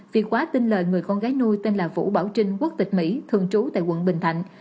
việc khóa tin lời người con gái nuôi tên là vũ bảo trinh quốc tịch mỹ thường trú tại quận bình thạnh